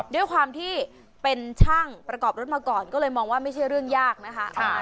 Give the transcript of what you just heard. ด้วยความที่เป็นช่างประกอบรถมาก่อนก็เลยมองว่าไม่ใช่เรื่องยากนะคะ